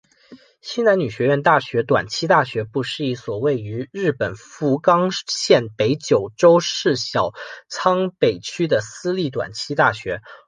西南女学院大学短期大学部是一所位于日本福冈县北九州市小仓北区的私立短期大学。